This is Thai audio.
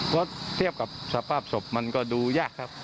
เพราะเทียบกับสภาพศพมันก็ดูยากครับ